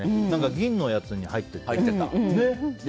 銀のやつに入ってて。